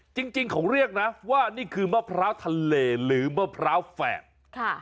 จริงเขาเรียกนะว่านี่คือมะพร้าวทะเลหรือมะพร้าวแฝดค่ะ